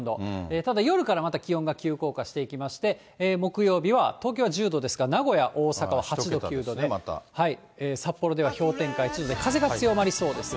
ただ夜からまた気温が急降下していきまして、木曜日は、東京は１０度ですが、名古屋、大阪は８度、９度で、札幌では氷点下１度で風が強まりそうですよね。